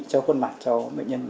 cho khuôn mặt cho bệnh nhân